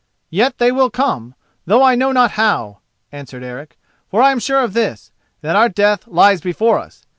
"Yet they will come, though I know not how," answered Eric, "for I am sure of this, that our death lies before us.